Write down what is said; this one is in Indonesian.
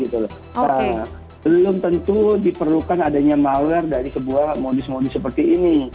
nah belum tentu diperlukan adanya malware dari sebuah modis modis seperti ini